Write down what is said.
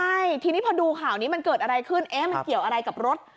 ใช่ทีนี้พอดูข่าวนี้มันเกิดอะไรขึ้นเอ๊ะมันเกี่ยวอะไรกับรถ